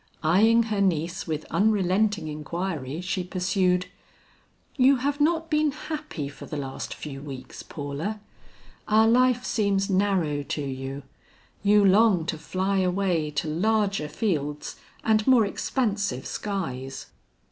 Eying her niece with unrelenting inquiry, she pursued, "You have not been happy for the last few weeks, Paula. Our life seems narrow to you; you long to fly away to larger fields and more expansive skies."